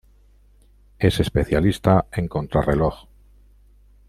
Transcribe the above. Es especialista en contrarreloj.